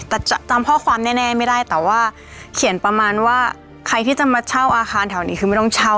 แต่จำข้อความแน่ไม่ได้แต่ว่าเขียนประมาณว่าใครที่จะมาเช่าอาคารแถวนี้คือไม่ต้องเช่า